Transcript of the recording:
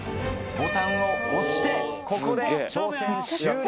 ボタンを押してここで挑戦終了。